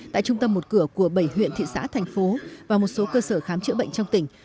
tại trung tâm một cửa của bảy huyện thị xã thành phố và một số cơ sở khám chữa bệnh trong tỉnh